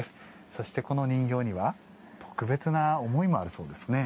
そして、この人形には特別な思いもあるそうですね。